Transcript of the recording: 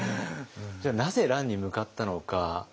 じゃあなぜ乱に向かったのか。